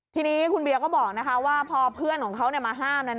ทีนี้คุณเบียก็บอกว่าพอเพื่อนของเขามาห้าม